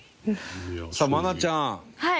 さあ愛菜ちゃん。はい。